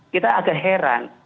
kita agak heran